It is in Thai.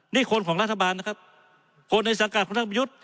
นี่คนของรัฐบาลนะครับคนในสังกัดของท่านประยุทธ์